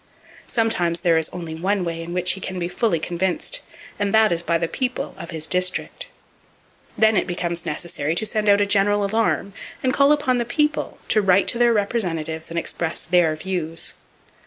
Sometimes there is only one way in which he can be fully convinced; and that is by the people of his district. Then it becomes necessary to send out a general alarm, and call upon the People to write to their representatives and express their views.